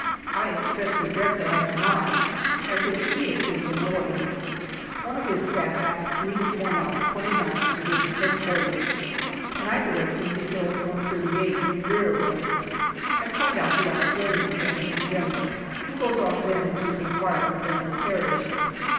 I express regret that I have not, at which he appears annoyed. One of his Staff asks me to point out 2Qth D.H.Q., and I direct him to Hill 138, in rear of us. I point out the Australian camp to the General, who goes off then to inquire for General Parish.